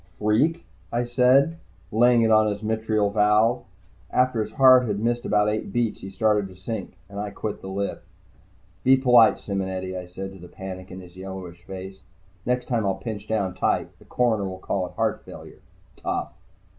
"Freak?" I said, laying it on his mitral valve. After his heart had missed about eight beats, he started to sink, and I quit the lift. "Be polite, Simonetti," I said to the panic in his yellowish face. "Next time I'll pinch down tight. The coroner will call it heart failure. Tough."